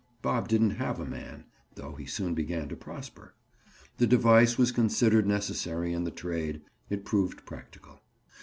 Bob didn't have a man, though he soon began to prosper. The device was considered necessary in the trade; it proved practical.